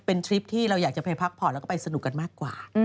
เป็นทริปที่เราอยากจะไปพักผ่อนแล้วก็ไปสนุกกันมากกว่า